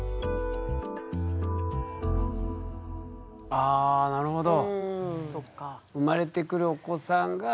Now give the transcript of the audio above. ああなるほど。